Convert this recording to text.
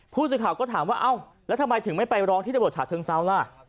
ผู้สื่อข่าวก็ถามว่าเอ้าแล้วทำไมถึงไม่ไปร้องที่ตำรวจฉะเชิงเซาล่ะ